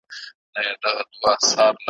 محتسب وړی قلم له نجونو `